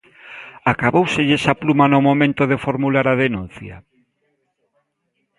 ¿Acabóuselles a pluma no momento de formular a denuncia?